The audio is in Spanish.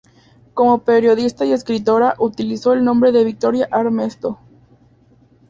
Como periodista y escritora utilizó el nombre de Victoria Armesto.